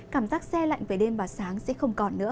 cảm giác xe lạnh về đêm và sáng sẽ không còn nữa